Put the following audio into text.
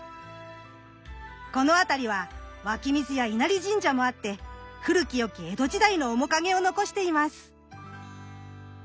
この辺りは湧き水や稲荷神社もあって古き良き江戸時代の面影を残しています。